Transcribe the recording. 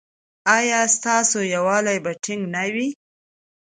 ایا ستاسو یووالي به ټینګ نه وي؟